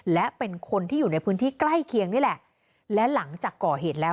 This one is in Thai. และเป็นคนที่อยู่ในพื้นที่ใกล้เคียงนี่แหละและหลังจากก่อเหตุแล้ว